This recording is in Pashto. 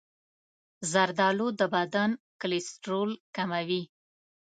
زردآلو د بدن کلسترول کموي.